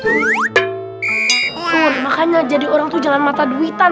sobri makanya jadi orang itu jalan mata duitan